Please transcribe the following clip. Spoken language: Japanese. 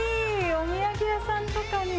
お土産屋さんとかも！